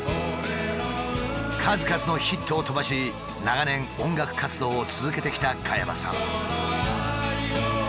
数々のヒットを飛ばし長年音楽活動を続けてきた加山さん。